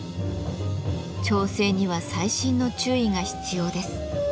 調整には細心の注意が必要です。